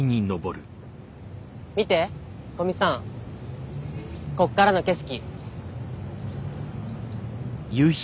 見て古見さんこっからの景色。